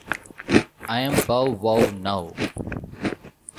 I'm Bow Wow now.